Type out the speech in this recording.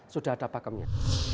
sudah ada pakemnya